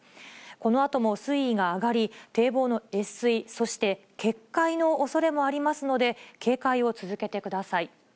このあとも水位が上がり、堤防の越水、そして決壊のおそれもありますので、警戒を続けてください。